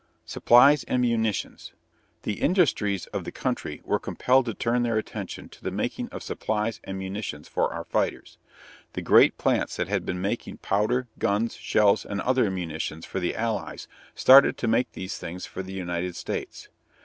SUPPLIES AND MUNITIONS. The industries of the country were compelled to turn their attention to the making of supplies and munitions for our fighters. The great plants that had been making powder, guns, shells, and other munitions for the Allies started to make these things for the United States.